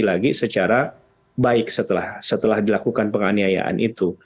lagi secara baik setelah dilakukan penganiayaan itu